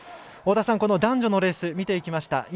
太田さん、男女のレース見ていきました。